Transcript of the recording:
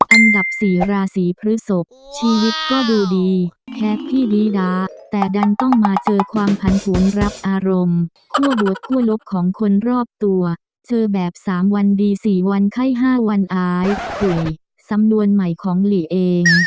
อันดับ๔ราศีพฤศพชีวิตก็ดูดีแค่พี่ดีดาแต่ดันต้องมาเจอความผันผวนรับอารมณ์คั่วบวกคั่วลบของคนรอบตัวเจอแบบ๓วันดี๔วันไข้๕วันอายป่วยสำนวนใหม่ของหลีเอง